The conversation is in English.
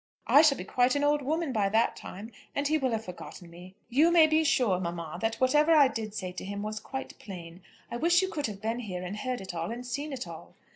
I shall be quite an old woman by that time, and he will have forgotten me. You may be sure, mamma, that whatever I did say to him was quite plain. I wish you could have been here and heard it all, and seen it all."